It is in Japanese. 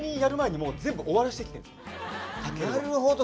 ⁉なるほど。